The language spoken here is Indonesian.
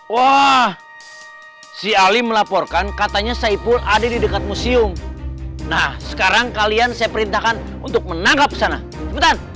wah si ali melaporkan katanya saipul ada di dekat museum nah sekarang kalian saya perintahkan untuk menangkap kesana sebentar